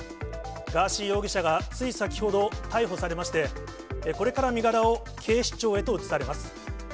ガーシー容疑者がつい先ほど、逮捕されまして、これから身柄を警視庁へと移されます。